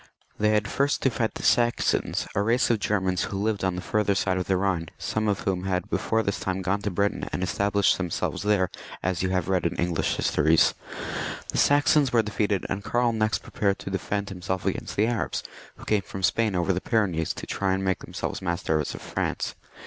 They had first to fight the Saxons, a race 30 THE MA YORS OF THE PALACE, [CH. of Gtermans who lived on the farther side of the Ehine, some of whom had before this time gone to Britain and established themselves there as you have read in English histories. The Saxons were defeated, and Karl next prepared to defend himself against the Arabs, who came from Spain over the Pyrenees to try and make themselves masters of France.